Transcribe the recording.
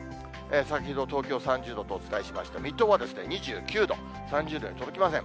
先ほど、東京３０度とお伝えしました、水戸は２９度、３０度に届きません。